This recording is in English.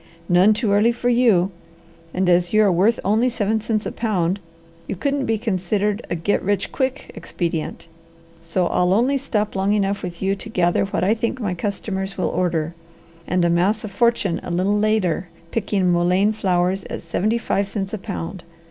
"None too early for you, and as you are worth only seven cents a pound, you couldn't be considered a 'get rich quick' expedient, so I'll only stop long enough with you to gather what I think my customers will order, and amass a fortune a little later picking mullein flowers at seventy five cents a pound.